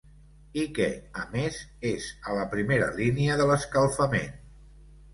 I que, a més, és a la primera línia de l’escalfament.